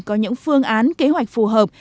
có những phương án kế hoạch phù hợp